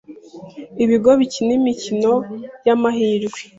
ibigo bikina imikino y’amhirwe